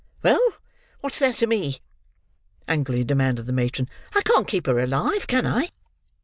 "Well, what's that to me?" angrily demanded the matron. "I can't keep her alive, can I?"